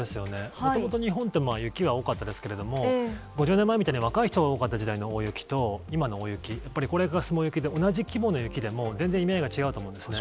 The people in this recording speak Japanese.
もともと日本というのは、雪が多かったですけれども、５０年前みたいに若い人が多かった時代の大雪と、今の大雪、やっぱり高齢化が進む雪って、同じ規模の雪でも、全然意味合いが違うと思うんですね。